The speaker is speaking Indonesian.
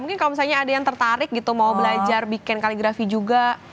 mungkin kalau misalnya ada yang tertarik gitu mau belajar bikin kaligrafi juga